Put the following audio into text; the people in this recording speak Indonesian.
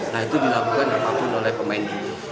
nah itu dilakukan apapun oleh pemain dulu